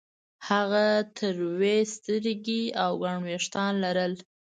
هغه تروې سترګې او ګڼ وېښتان لرل